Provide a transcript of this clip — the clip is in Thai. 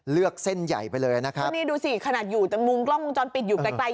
เส้นใหญ่ไปเลยนะครับแล้วนี่ดูสิขนาดอยู่แต่มุมกล้องวงจรปิดอยู่ไกลไกล